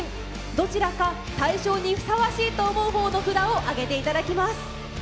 どちらか大賞にふさわしいと思う方の札を挙げていただきます。